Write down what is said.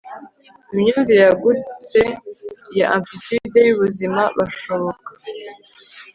Imyumvire yagutse ya amplitude yubuzima bushoboka